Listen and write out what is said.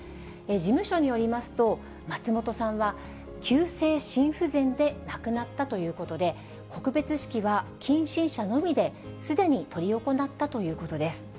事務所によりますと、松本さんは急性心不全で亡くなったということで、告別式は近親者のみで、すでに執り行ったということです。